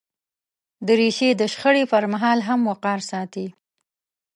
دریشي د شخړې پر مهال هم وقار ساتي.